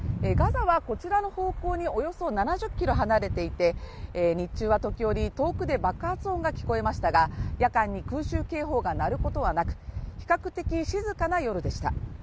こちらの方向におよそ７０キロ離れていて日中は時折遠くで爆発音が聞こえましたが夜間に空襲警報が鳴ることはなく比較的静かな夜でした